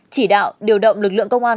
chỉ đạo điều động lực lượng công an